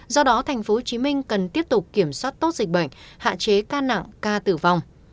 do đó tp hcm cần tiếp tục kiểm soát tốt dịch bệnh hạn chế ca nặng ca tử vong